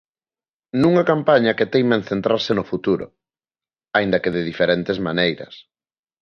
Nunha campaña que teima en centrarse no futuro, aínda que de diferentes maneiras.